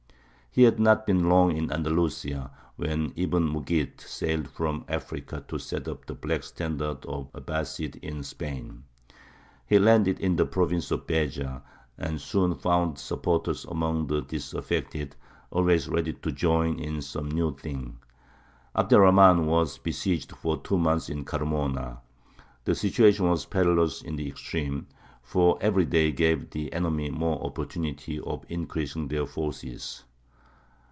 He had not been long in Andalusia when Ibn Mughīth sailed from Africa to set up the black standards of the Abbāsides in Spain. He landed in the province of Beja, and soon found supporters among the disaffected, always ready to join in some new thing. Abd er Rahmān was besieged for two months in Carmona. The situation was perilous in the extreme, for every day gave the enemy more opportunity of increasing their forces.